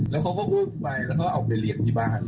แล้วเขาก็อุ้มไปแล้วก็เอาไปเลี้ยงที่บ้าน